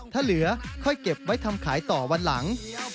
ถ้าเหลือค่อยเก็บไว้ทำขายต่อวันหลัง